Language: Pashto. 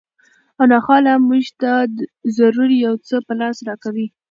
او ناخواله مونږ ته ضرور یو څه په لاس راکوي